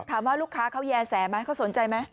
ถามว่าลูกค้าเขาแย่แสมั้ยเขาสนใจมั้ย